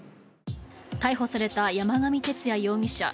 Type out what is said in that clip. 逮捕された山上徹也容疑者。